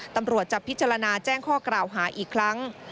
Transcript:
ตำรวจจะพิจารณาแจ้งข้อกล่าวหาอีกครั้ง